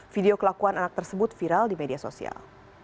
video kelakuan anak tersebut viral di media sosial